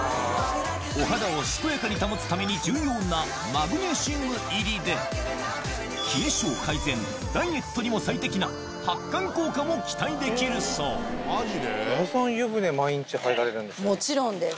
お肌を健やかに保つために重要なマグネシウム入りで、冷え性改善、ダイエットにも最適な、矢田さん、湯船、毎日入られもちろんです。